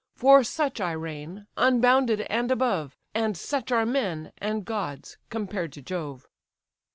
For such I reign, unbounded and above; And such are men, and gods, compared to Jove."